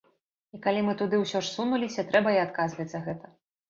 І калі мы туды ўсё ж сунуліся, трэба і адказваць за гэта.